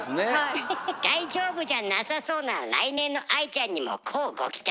大丈夫じゃなさそうな来年の愛ちゃんにも乞うご期待。